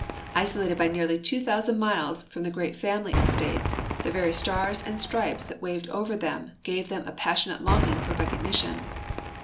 Isolated by nearly two thousand miles from the great family of states, the very Stars and Stripes that Avaved over them gave them a passionate longing for recognition.